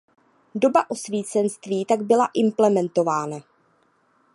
Doba osvícenství tak byla implementována.